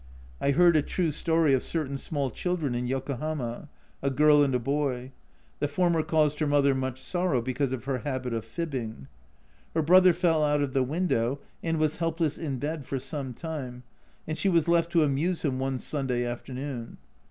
I heard a true story of certain small children in Yokohama, a girl and a boy : the former caused her mother much sorrow because of her habit of fibbing. Her brother fell out of the window and was helpless in bed for some time, and she was left to amuse him one Sunday afternoon.